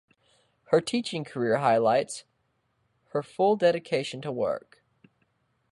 Her teaching career highlights her full dedication to work.